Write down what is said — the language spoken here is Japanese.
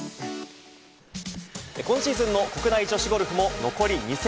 今シーズンの国内女子ゴルフも残り２戦。